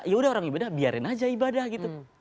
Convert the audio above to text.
yaudah orang ibadah biarin aja ibadah gitu